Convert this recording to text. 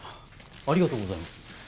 ありがとうございます。